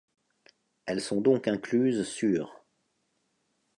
Elles sont donc incluses sur '.